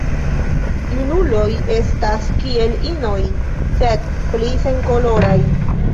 Junuloj estas kiel inoj, sed pli senkoloraj.